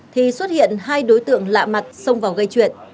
thì xuất hiện hai đối tượng lạ mặt xông vào gây chuyện